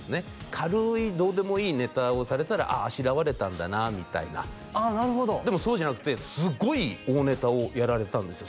軽いどうでもいいネタをされたらあああしらわれたんだなみたいなああなるほどでもそうじゃなくてすごい大ネタをやられたんですよ